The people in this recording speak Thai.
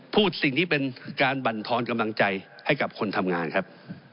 พูดสิ่งที่เป็นการบรรทอนกำลังใจให้กับคนทำงานครับ